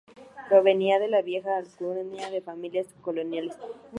Provenía de la vieja alcurnia de familias coloniales.